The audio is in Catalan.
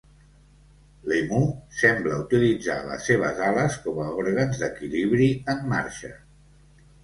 L'emú sembla utilitzar les seves ales com a òrgans d'equilibri en marxa.